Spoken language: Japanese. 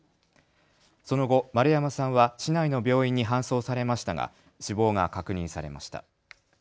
その後、丸山さんは市内の病院に搬送されましたが死亡が確認されました。